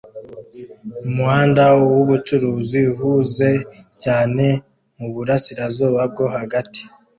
Umuhanda wubucuruzi uhuze cyane muburasirazuba bwo hagati